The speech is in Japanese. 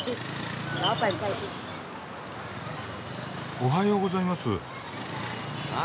おはようございます。